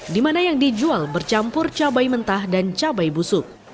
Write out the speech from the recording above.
di mana yang dijual bercampur cabai mentah dan cabai busuk